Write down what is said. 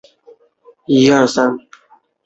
匍匐柳叶箬为禾本科柳叶箬属下的一个种。